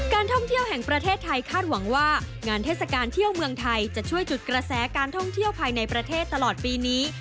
การท่องเที่ยวแห่งประเทศไทยคาดหวังว่างานเทศกาลเที่ยวเมืองไทยจะช่วยจุดกระแสการท่องเที่ยวภายในประเทศตลอดปีนี้